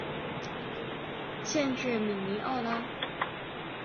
县治米尼奥拉。